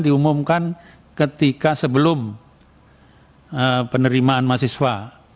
diumumkan ketika sebelum penerimaan mahasiswa